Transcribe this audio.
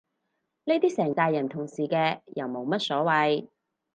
呢啲成咋人同時嘅又冇乜所謂